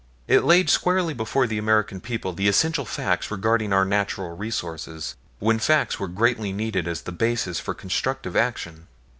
It laid squarely before the American people the essential facts regarding our natural resources, when facts were greatly needed as the basis for constructive action.